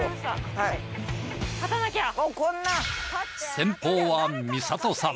先鋒は美里さん。